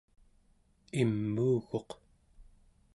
imuuguq